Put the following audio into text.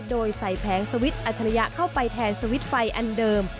โดยใส่แผงสวิตช์อัจฉริยะเข้าไปแทนสวิตช์ไฟอันเดิม